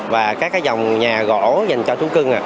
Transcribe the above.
và các dòng nhà gỗ dành cho thú cưng